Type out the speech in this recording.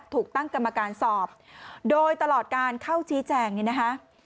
ถูกตั้งกรรมการสอบโดยตลอดการเข้าชี้แจงเนี่ยนะคะ